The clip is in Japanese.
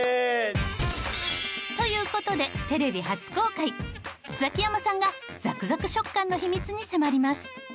という事でテレビ初公開ザキヤマさんがザクザク食感の秘密に迫ります。